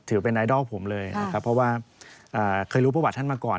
ถือเป็นไอดอลผมเลยนะครับเพราะว่าเคยรู้ประวัติท่านมาก่อน